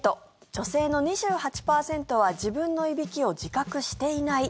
女性の２８％は自分のいびきを自覚していない。